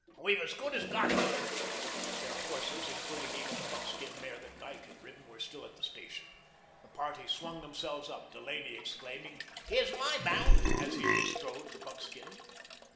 We've as good as got him now." Their horses, including even the buckskin mare that Dyke had ridden, were still at the station. The party swung themselves up, Delaney exclaiming, "Here's MY mount," as he bestrode the buckskin.